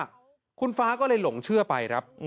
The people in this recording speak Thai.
ทุกเรื่องเลยคุณฟ้าก็เลยหลงเชื่อไป